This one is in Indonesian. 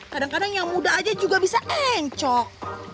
kadang kadang yang muda aja juga bisa encok